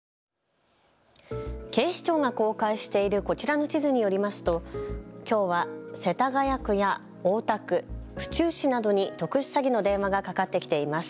警視庁が公開しているこちらの地図によりますときょうは世田谷区や大田区、府中市などに特殊詐欺の電話がかかってきています。